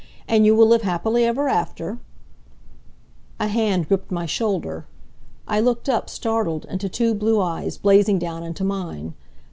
And you will live happily ever after " A hand gripped my shoulder. I looked up, startled, into two blue eyes blazing down into mine.